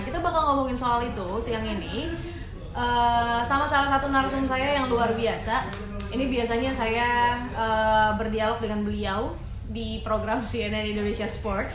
kita bakal ngomongin soal itu siang ini sama salah satu narasum saya yang luar biasa ini biasanya saya berdialog dengan beliau di program cnn indonesia sports